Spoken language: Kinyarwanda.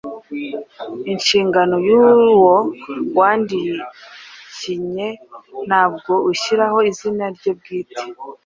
inshingano by’uwo wandikinye Ntabwo ushyiraho izina rye bwite.